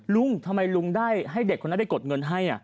ลุงทำไมลุงได้ให้เด็กคนนั้นไปกดเงินให้